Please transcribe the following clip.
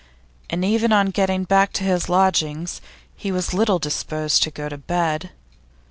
And even on getting back to his lodgings he was little disposed to go to bed.